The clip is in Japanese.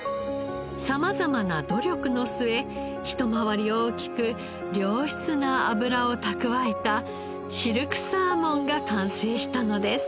様々な努力の末ひと回り大きく良質な脂を蓄えたシルクサーモンが完成したのです。